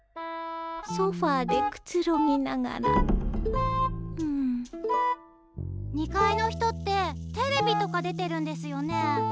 ソファーでくつろぎながら２階の人ってテレビとか出てるんですよね？